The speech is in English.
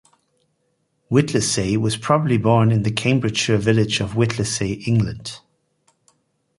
Whittlesey was probably born in the Cambridgeshire village of Whittlesey, England.